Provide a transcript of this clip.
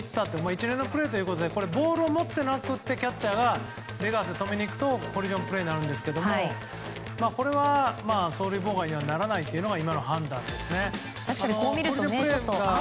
一連のプレーということでボールを持ってなくてキャッチャーのレガースが止めにいくとコリジョンプレーになるんですけどこれは、走塁妨害にはならないというのが今の判断ですね。